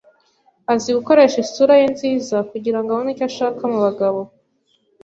Azi gukoresha isura ye nziza kugirango abone icyo ashaka mubagabo.